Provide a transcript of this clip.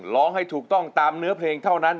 ร้องให้ถูกต้องตามเนื้อเพลงเท่านั้น